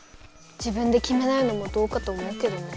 自分できめないのもどうかと思うけどね。